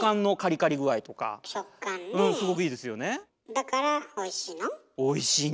だからおいしいの？